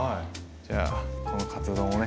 じゃこのカツ丼をね。